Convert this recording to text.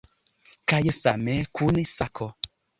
Kaj same kun sako.